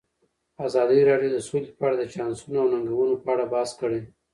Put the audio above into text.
ازادي راډیو د سوله په اړه د چانسونو او ننګونو په اړه بحث کړی.